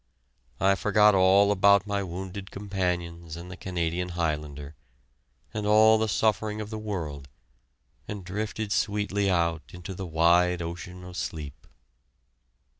I forgot all about my wounded companions and the Canadian Highlander, and all the suffering of the world, and drifted sweetly out into the wide ocean of sleep.